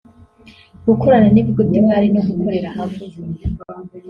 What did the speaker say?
gukorana n’ibigo by’imari no gukorera hamwe